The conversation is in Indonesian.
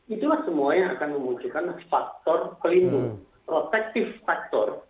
itulah semua yang akan memunculkan faktor pelindung protektif faktor